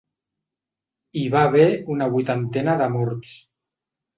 Hi va haver una vuitantena de morts.